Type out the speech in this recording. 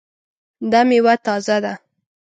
دا میوه تازه ده؟